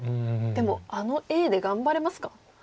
でもあのＡで頑張れますか？